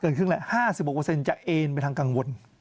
เกินครึ่งแล้ว๕๖จะเอนไปทางกังวล